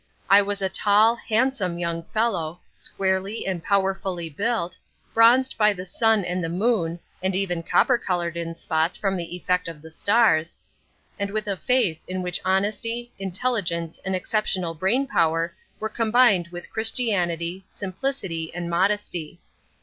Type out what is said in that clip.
I was a tall, handsome young fellow, squarely and powerfully built, bronzed by the sun and the moon (and even copper coloured in spots from the effect of the stars), and with a face in which honesty, intelligence, and exceptional brain power were combined with Christianity, simplicity, and modesty.